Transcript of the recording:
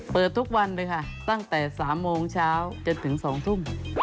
เปิดทุกวันเลยค่ะตั้งแต่๓โมงเช้าจนถึง๒ทุ่ม